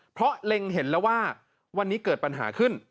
เพราะเล็งเห็นแล้วว่าวันนี้เกิดปัญหาขึ้น